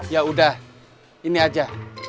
yaudah ini aja